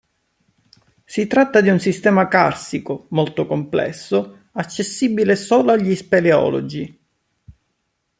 Si tratta di un sistema carsico molto complesso, accessibile solo a speleologi.